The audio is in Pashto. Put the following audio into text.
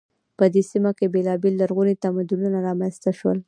په دې سیمه کې بیلابیل لرغوني تمدنونه رامنځته شول.